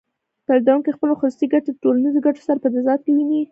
تولیدونکی خپلې خصوصي ګټې له ټولنیزو ګټو سره په تضاد کې ویني